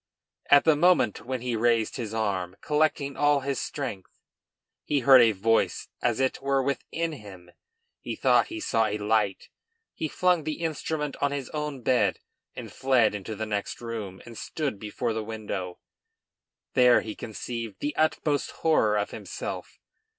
At the moment when he raised his arm collecting all his strength, he heard a voice as it were within him; he thought he saw a light. He flung the instrument on his own bed and fled into the next room, and stood before the window. There, he conceived the utmost horror of himself.